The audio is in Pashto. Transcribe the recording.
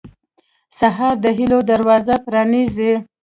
سهار د هيلو دروازه پرانیزي.